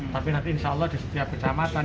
tapi nanti insya allah di setiap kecamatan